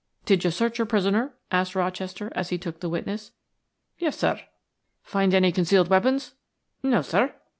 "Did you search your prisoner?" asked Rochester, as he took the witness. "Yes, sir. "Find any concealed weapons?" "No, sir."